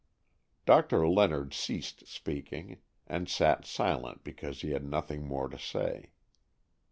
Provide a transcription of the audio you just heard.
Doctor Leonard ceased speaking, and sat silent because he had nothing more to say.